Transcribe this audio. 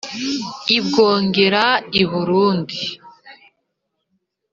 i bwongera: i burundi